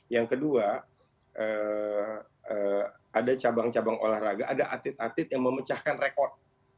yang kedua ada cabang cabang olahraga ada atlet atlet yang memecahkan rekod